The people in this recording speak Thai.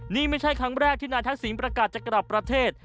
นี่ไม่ใช่ครั้งแรกที่นายทักษิณประกาศจะกลับประเทศ